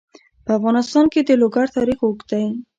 په افغانستان کې د لوگر تاریخ اوږد دی.